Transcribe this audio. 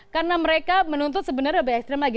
karena mereka menuntut sebenarnya lebih ekstrem lagi